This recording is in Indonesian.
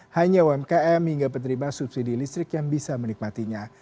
hanya umkm hingga penerima subsidi listrik yang bisa menikmatinya